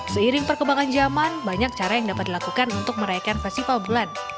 seiring perkembangan zaman banyak cara yang dapat dilakukan untuk merayakan festival bulan